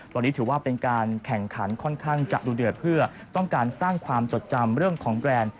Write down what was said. ตอนนี้ถือว่าเป็นการแข่งขันค่อนข้างจะดูเดือดเพื่อต้องการสร้างความจดจำเรื่องของแบรนด์